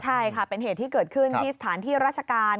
ใช่ค่ะเป็นเหตุที่เกิดขึ้นที่สถานที่ราชการ